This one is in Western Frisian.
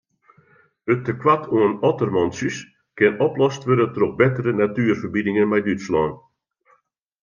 It tekoart oan ottermantsjes kin oplost wurde troch bettere natuerferbiningen mei Dútslân.